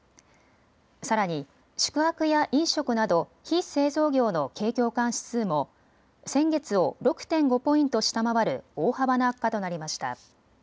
さらに宿泊や飲食など非製造業の景況感指数も先月を６．５ポイント下回る大幅な悪化となりました。